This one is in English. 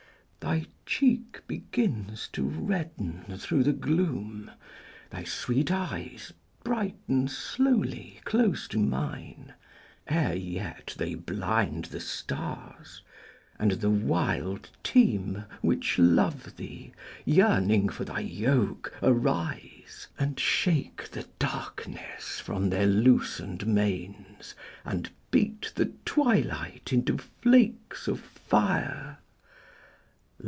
Thy cheek begins to redden thro' the gloom, Thy sweet eyes brighten slowly close to mine, Ere yet they blind the stars, and the wild team Which love thee, yearning for thy yoke, arise, And shake the darkness from their loosen'd manes, And beat the twilight into flakes of fire.